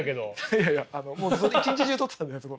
いやいやあのもう一日中撮ってたんであそこ。